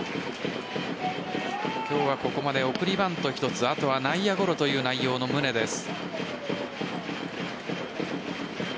今日はここまで送りバント１つ後は内野ゴロという内容の宗です。